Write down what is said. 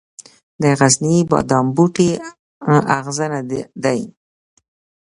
د غرني بادام بوټی اغزنه دی